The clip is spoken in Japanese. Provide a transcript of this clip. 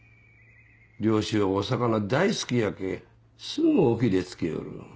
漁師はお魚大好きやけぇすぐ尾ひれ付けよるのう。